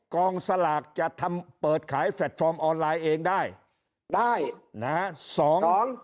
กองสลากจะทำเปิดขายออนไลน์เองได้ได้นะฮะสองสอง